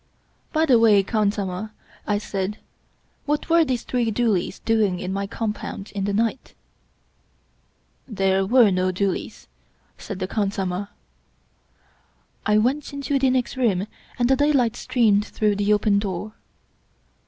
" By the way, khansamah/' I said, " what were those three doolies doing in my compound in the night ?*''* There were no doolies," said the khansamah. I went into the next room and the daylight streamed through the open door.